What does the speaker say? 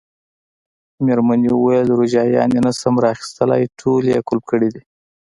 مېرمنې وویل: روجایانې نه شم را اخیستلای، ټولې یې قلف کړي دي.